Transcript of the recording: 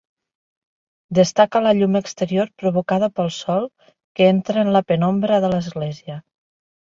Destaca la llum exterior provocada pel sol que entra en la penombra de l'església.